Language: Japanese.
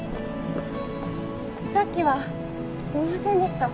さっきはすみませんでした